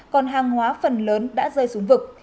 còn hàng hóa phần lớn đã rơi xuống vực